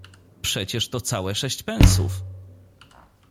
Przecież to całe sześć pensów.